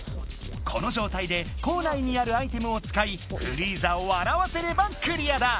このじょうたいで校内にあるアイテムをつかいフリーザをわらわせればクリアだ！